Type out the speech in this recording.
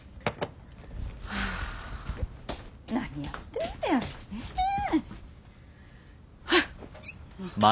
何やってんねやろね。